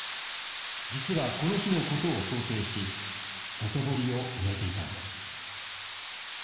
実はこの日のことを想定し外堀を埋めていたんです。